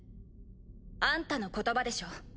あんたの言葉でしょ。